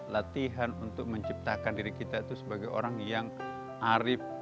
latihan untuk menciptakan diri kita itu sebagai orang yang arif